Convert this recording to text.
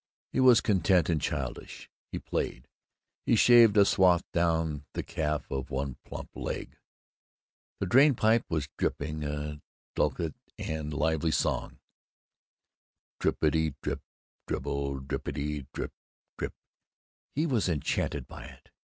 He was content and childish. He played. He shaved a swath down the calf of one plump leg. The drain pipe was dripping, a dulcet and lively song: drippety drip drip dribble, drippety drip drip drip. He was enchanted by it.